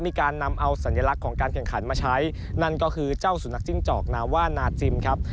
มีการนำเอาสัญลักษณ์ของการแข่งขันมาใช้นั่นก็คือเจ้าสุนัขจิ้งจอกนาว่านาจิมครับ